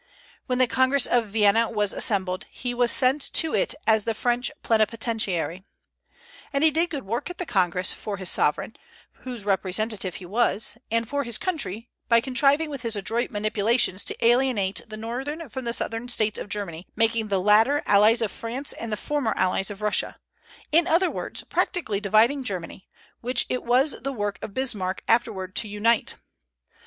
When the Congress of Vienna assembled, he was sent to it as the French plenipotentiary. And he did good work at the Congress for his sovereign, whose representative he was, and for his country by contriving with his adroit manipulations to alienate the northern from the southern States of Germany, making the latter allies of France and the former allies of Russia, in other words, practically dividing Germany, which it was the work of Bismarck afterward to unite.